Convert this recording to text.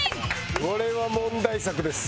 これは問題作です。